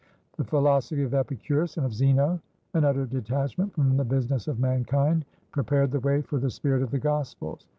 The philosophy of Epicurus and of Zenoan utter detachment from the business of mankindprepared the way for the spirit of the Gospels.